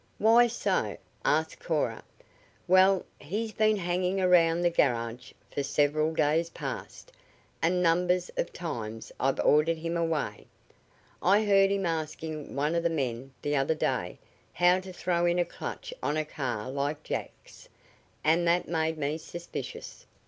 "Why so?" asked Cora. "Well, he's been hanging around the garage for several days past, and numbers of times I've ordered him away. I heard him asking one of the men, the other day, how to throw in a clutch on a car like Jack's, and that made me suspicious."